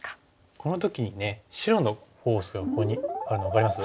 この時にね白のフォースがここにあるの分かります？